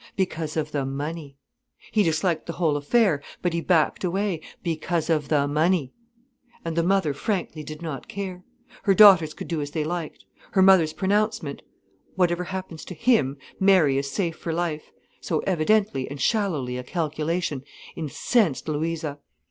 Because of the money. He disliked the whole affair, but he backed away, because of the money. And the mother frankly did not care: her daughters could do as they liked. Her mother's pronouncement: "Whatever happens to him, Mary is safe for life,"—so evidently and shallowly a calculation, incensed Louisa.